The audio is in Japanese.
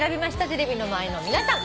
テレビの前の皆さん。